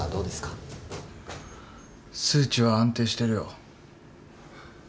数値は安定してるよ。